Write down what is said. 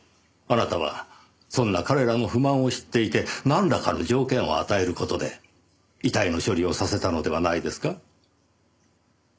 あなたはそんな彼らの不満を知っていてなんらかの条件を与える事で遺体の処理をさせたのではないですか？